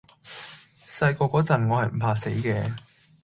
細個嗰陣，我係唔怕死嘅